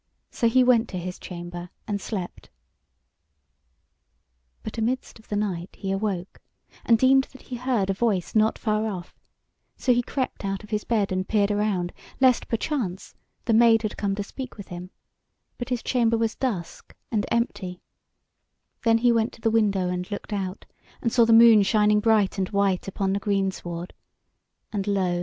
So he went to his chamber, and slept. But amidst of the night he awoke and deemed that he heard a voice not far off, so he crept out of his bed and peered around, lest, perchance, the Maid had come to speak with him; but his chamber was dusk and empty: then he went to the window and looked out, and saw the moon shining bright and white upon the greensward. And lo!